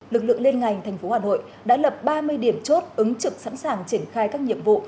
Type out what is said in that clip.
lực lượng lên ngành tp hcm đã lập ba mươi điểm chốt ứng trực sẵn sàng triển khai các nhiệm vụ